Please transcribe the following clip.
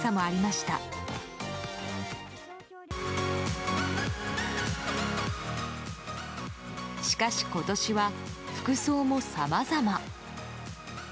しかし、今年は服装もさまざま。